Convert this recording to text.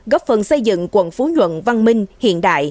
góp phần xây dựng quận phú nhuận văn minh hiện đại